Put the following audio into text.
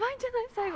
最後。